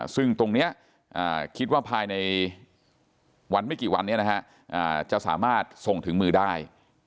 ซึ่งตรงนี้คิดว่าภายในวันไม่กี่วันนี้จะสามารถส่งถึงมือได้